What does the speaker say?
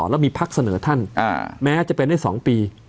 แล้วมีพักเสนอท่านแม้จะเป็นได้๒ปี